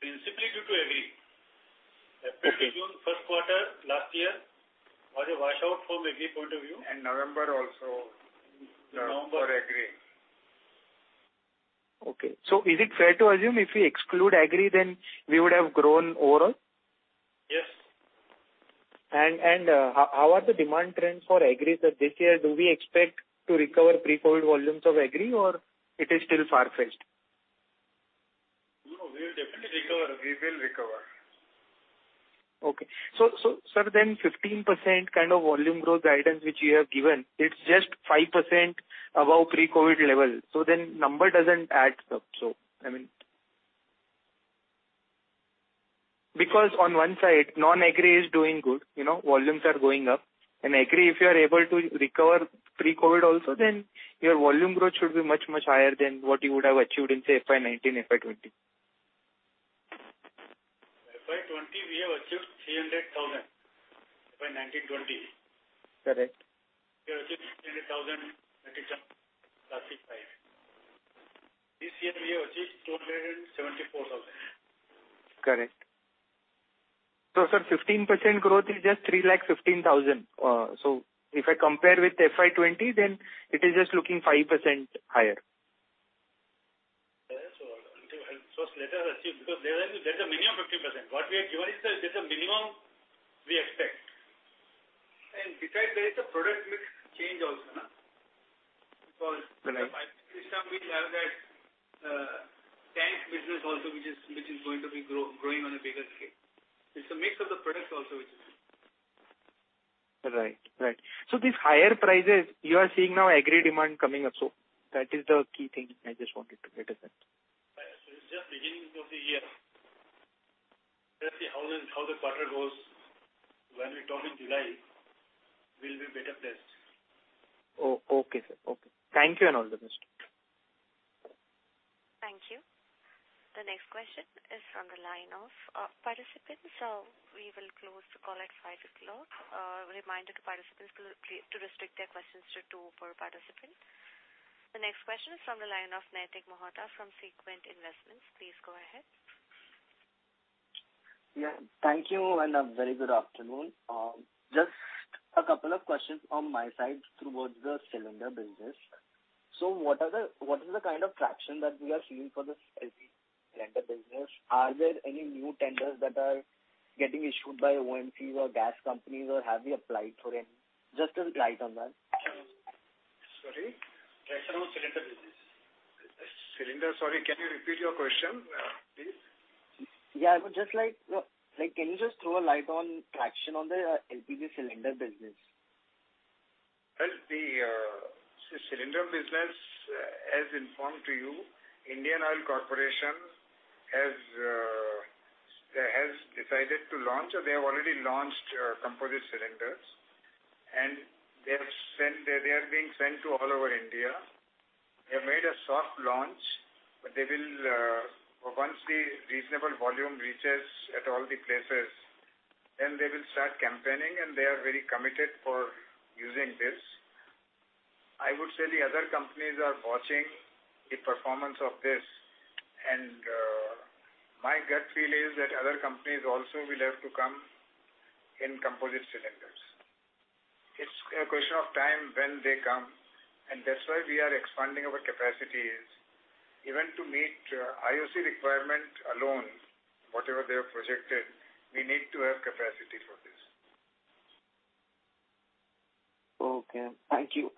Principally due to Agri. Okay. April to June first quarter last year was a washout from agri point of view. November also. November. for Agri. Okay. Is it fair to assume if we exclude Agri then we would have grown overall? Yes. How are the demand trends for Agri, sir, this year? Do we expect to recover pre-COVID volumes of Agri or it is still far-fetched? No, we'll definitely recover. We will recover. Sir, 15% kind of volume growth guidance which you have given, it's just 5% above pre-COVID level. Number doesn't add up. I mean, because on one side non-Agri is doing good, you know, volumes are going up. In Agri, if you are able to recover pre-COVID also, your volume growth should be much, much higher than what you would have achieved in, say, FY 2019, FY 2020. FY 2020 we have achieved 300,000. FY 2019, 2020. Correct. We have achieved 300,000 metric ton plastic pipe. This year we have achieved 274,000. Correct. Sir, 15% growth is just 3.15 lakh. If I compare with FY 2020, then it is just looking 5% higher. Yes. Let us achieve, because there is a minimum 50%. What we have given is a minimum we expect. Besides, there is a product mix change also, no? By this time we'll have that tank business also which is going to be growing on a bigger scale. It's a mix of the products also which is. Right. These higher prices you are seeing now, agri demand coming up, so that is the key thing I just wanted to better understand. It's just beginning of the year. Let's see how the quarter goes. When we talk in July we'll be better placed. Oh, okay, sir. Okay. Thank you and all the best. Thank you. The next question is from the line of participant. We will close the call at five o'clock. Reminder to participants to restrict their questions to two per participant. The next question is from the line of Naitik Mohata from Sequent Investments. Please go ahead. Yeah, thank you and a very good afternoon. Just a couple of questions on my side toward the cylinder business. What is the kind of traction that we are seeing for the cylinder business? Are there any new tenders that are getting issued by OMCs or gas companies, or have you applied for any? Just a light on that. Sorry. Traction on cylinder business. Cylinder. Sorry, can you repeat your question, please? Yeah, I would just like, can you just throw a light on traction on the LPG cylinder business? Well, the cylinder business, as informed to you, Indian Oil Corporation has decided to launch, or they have already launched, composite cylinders, and they have sent. They are being sent all over India. They have made a soft launch, but they will, once the reasonable volume reaches at all the places, then they will start campaigning, and they are very committed for using this. I would say the other companies are watching the performance of this, and my gut feel is that other companies also will have to come in composite cylinders. It's a question of time when they come, and that's why we are expanding our capacities. Even to meet IOC requirement alone, whatever they have projected, we need to have capacity for this. Okay. Thank you.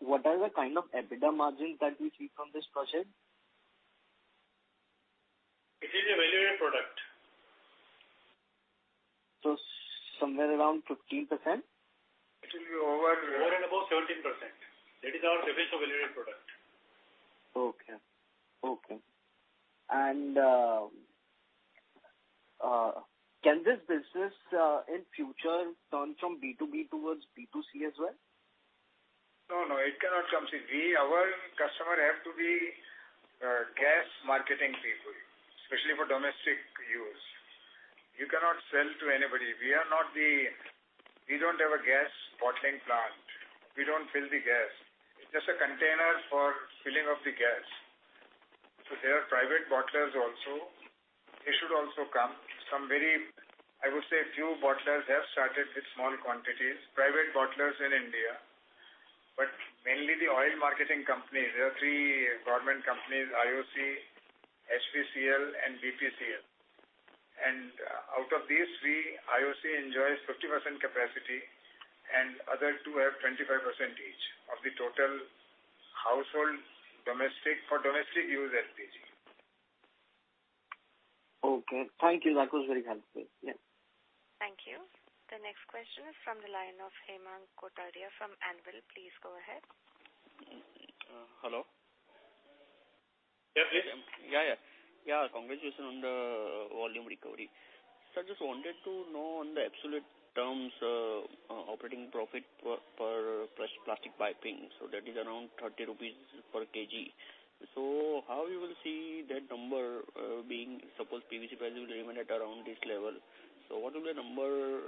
What are the kind of EBITDA margins that we see from this project? It is a value-added product. Somewhere around 15%? It will be over and above 17%. That is our definition of value-added product. Okay. Can this business, in future turn from B2B towards B2C as well? No, no, it cannot come to B. Our customer have to be gas marketing people, especially for domestic use. You cannot sell to anybody. We don't have a gas bottling plant. We don't fill the gas. It's just a container for filling of the gas. So there are private bottlers also. They should also come. Some very, I would say, few bottlers have started with small quantities, private bottlers in India. Mainly the oil marketing companies, there are three government companies, IOC, HPCL and BPCL. Out of these three, IOC enjoys 50% capacity, and other two have 25% each of the total household domestic, for domestic use LPG. Okay. Thank you. That was very helpful. Yeah. Thank you. The next question is from the line of Hemang Kotadia from Anvil. Please go ahead. Hello. Yes, please. Yeah, yeah. Yeah, congratulations on the volume recovery. I just wanted to know in absolute terms, operating profit per plastic piping. That is around 30 rupees per kg. How do you see that number? Suppose PVC price will remain at around this level. What will the number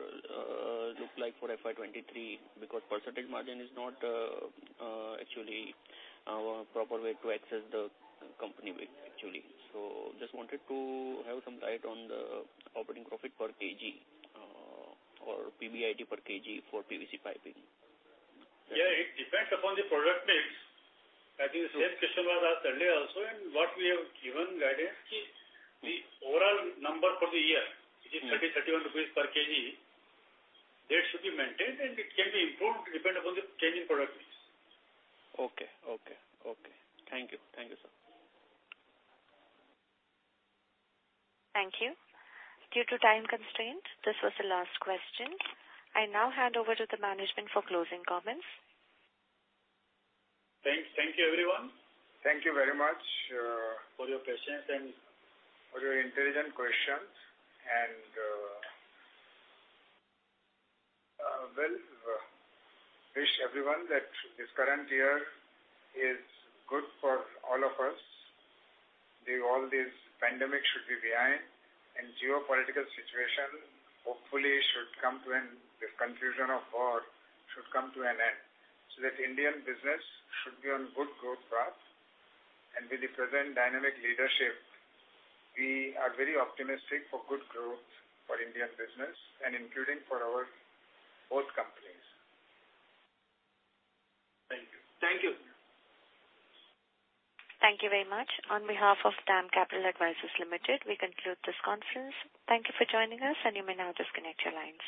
look like for FY 2023? Because percentage margin is not actually a proper way to assess the company actually. Just wanted to shed some light on the operating profit per kg or PBIT per kg for PVC piping. Yeah, it depends upon the product mix. I think the same question was asked earlier also, and what we have given guidance, the overall number for the year, which is INR 30-31 per kg, that should be maintained and it can be improved depend upon the change in product mix. Okay. Thank you, sir. Thank you. Due to time constraint, this was the last question. I now hand over to the management for closing comments. Thanks. Thank you, everyone. Thank you very much. For your patience. For your intelligent questions. Well, wish everyone that this current year is good for all of us. All this pandemic should be behind and geopolitical situation hopefully should come to an end, the confusion of war should come to an end, so that Indian business should be on good growth path. With the present dynamic leadership, we are very optimistic for good growth for Indian business and including for our both companies. Thank you. Thank you. Thank you very much. On behalf of DAM Capital Advisors Limited, we conclude this conference. Thank you for joining us, and you may now disconnect your lines.